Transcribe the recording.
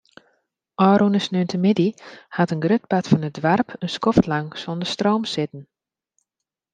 Ofrûne sneontemiddei hat in grut part fan it doarp in skoftlang sonder stroom sitten.